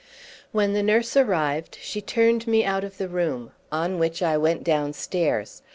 When the nurse arrived she turned me out of the room, on which I went downstairs.